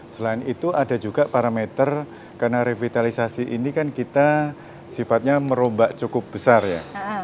selain itu ada juga parameter karena revitalisasi ini kan kita sifatnya merombak cukup besar ya